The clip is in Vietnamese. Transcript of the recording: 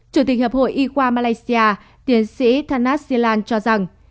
chủ tịch hợp hội y khoa malaysia tiến sĩ thanat silan cho rằng